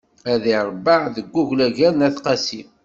Ad iṛabeɛ deg uglagal n At Qasi.